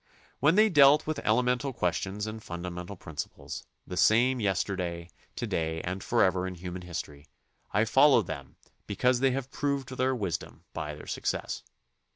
When they dealt with elemental questions and funda mental principles, the same yesterday, to day, and forever in human history, I follow them because they have proved their wisdom by their success.